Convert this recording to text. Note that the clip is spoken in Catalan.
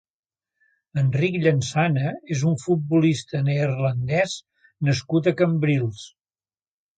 Enric Llansana és un futbolista neerlandès nascut a Cambrils.